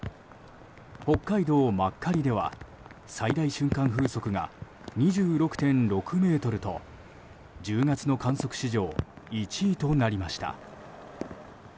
北海道真狩では最大瞬間風速が２６．６メートルと１０月の観測史上１位となりました。